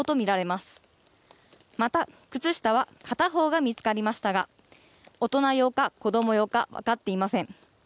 また、靴下は片方が見つかりましたが大人用か子供用か分かっていません。